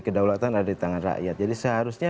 kedaulatan ada di tangan rakyat jadi seharusnya